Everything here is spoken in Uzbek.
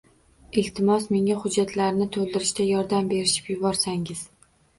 Iltimos menga hujjatlarni to'ldirishda yordam berishib yuborsangiz.